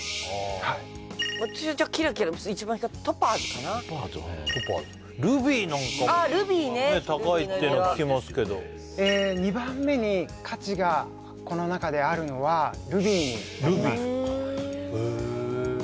はい私はじゃあキラキラ一番光ってるトパーズかなルビーなんかもあっルビーね高いっていうのは聞きますけどえー２番目に価値がこの中であるのはルビーになりますふーん